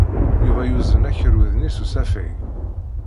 Yuba yuzen akerrud-nni s usafag.